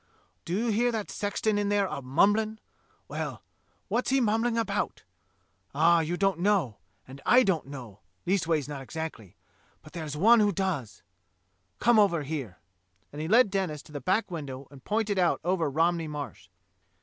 Do you hear that sexton in there a mumbling? Well, what's he mumbling about? Ah, you don't know, and I don't know (leastways not exactly), but there's one who does. Come over here," and he led Denis to the back window and pointed out over Romney Marsh.